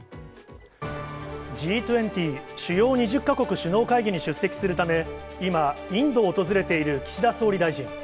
Ｇ２０・主要２０か国首脳会議に出席するため、今、インドを訪れている岸田総理大臣。